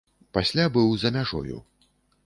Пасля быў за мяжою.